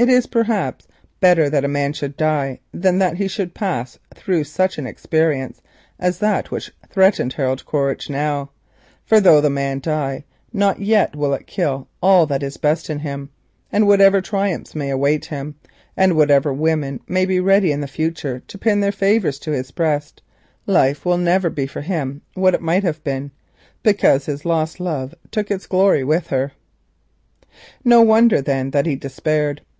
It is, perhaps, better that a man should die than that he should pass through such an experience as that which threatened Harold Quaritch now: for though the man die not, yet will it kill all that is best in him; and whatever triumphs may await him, whatever women may be ready in the future to pin their favours to his breast, life will never be for him what it might have been, because his lost love took its glory with her. No wonder, then, that he despaired.